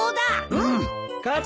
うん？